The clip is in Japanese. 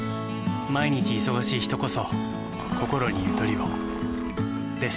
毎日忙しい人こそこころにゆとりをです。